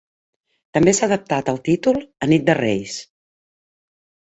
També s’ha adaptat al títol a Nit de Reis.